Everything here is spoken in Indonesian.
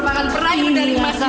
menteri pemuda dan olahraga